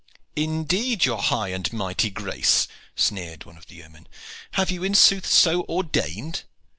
"Indeed, your high and mighty grace," sneered one of the yeomen, "have you in sooth so ordained?"